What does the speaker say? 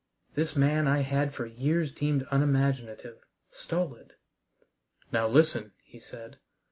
This man I had for years deemed unimaginative, stolid! "Now listen," he said.